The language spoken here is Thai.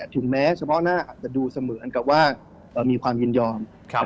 ถึงแม้เฉพาะหน้าอาจจะดูเสมือนกับว่ามีความยินยอม